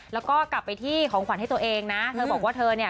แล้วก็กลับไปที่ของขวัญให้ตัวเองนะเธอบอกว่าเธอเนี่ย